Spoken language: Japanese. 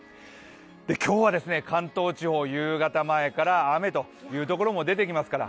今日は関東地方夕方前から雨というところも出てきますから